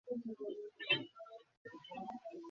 এই রোবটটা মনে হয় বদলানো দরকার।